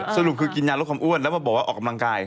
สรุปคือกินยาลดความอ้วนแล้วมาบอกว่าออกกำลังกาย